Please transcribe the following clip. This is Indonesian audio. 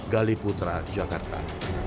gali putra jakarta